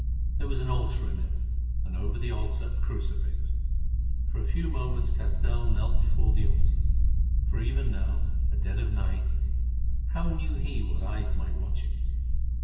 There was an altar in it, and over the altar a crucifix. For a few moments Castell knelt before the altar, for even now, at dead of night, how knew he what eyes might watch him?